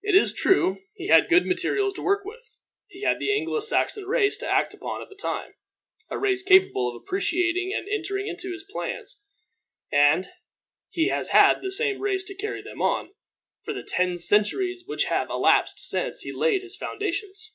It is true, he had good materials to work with. He had the Anglo Saxon race to act upon at the time, a race capable of appreciating and entering into his plans; and he has had the same race to carry them on, for the ten centuries which have elapsed since he laid his foundations.